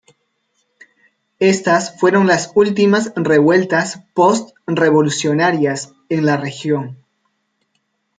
Estas fueron las últimas revueltas post-revolucionarias en la región.